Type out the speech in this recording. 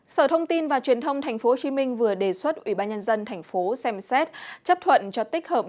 sở thông tin và truyền thông tp hcm vừa đề xuất ủy ban nhân dân tp xem xét chấp thuận cho tích hợp